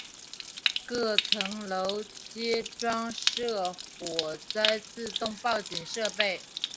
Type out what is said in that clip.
各层楼皆装设火灾自动警报设备。